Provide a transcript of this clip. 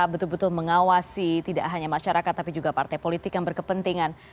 betul betul mengawasi tidak hanya masyarakat tapi juga partai politik yang berkepentingan